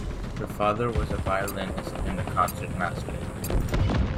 Her father was a violinist and a concertmaster.